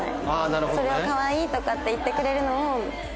それを「可愛い」とかって言ってくれるのを。